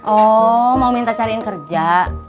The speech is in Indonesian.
oh mau minta cariin kerja